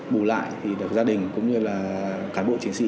bù lại thì được gia đình cũng như là cán bộ chiến sĩ